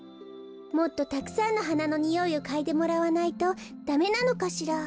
もっとたくさんのはなのにおいをかいでもらわないとダメなのかしら。